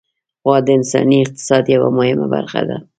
غوا د انساني اقتصاد یوه مهمه برخه ده.